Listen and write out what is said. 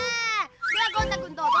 ではゴン太くんどうぞ。